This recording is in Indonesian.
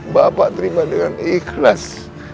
bapak terima dengan ikhlas